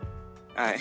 はい。